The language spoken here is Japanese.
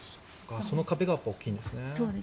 その壁が大きいんですね。